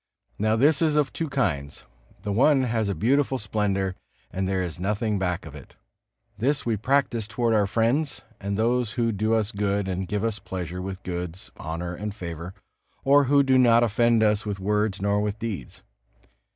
Now this is of two kinds. The one has a beautiful splendor, and there is nothing back of it. This we practice toward our friends and those who do us good and give us pleasure with goods, honor and favor, or who do not offend us with words nor with deeds.